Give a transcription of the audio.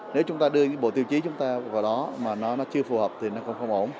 nếu chúng ta đưa bộ tiêu chí chúng ta vào đó mà nó chưa phù hợp thì nó không ổn